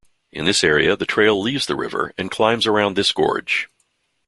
In this area, the trail leaves the river and climbs around this gorge.